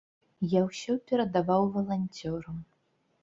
Я ўсё перадаваў валанцёрам.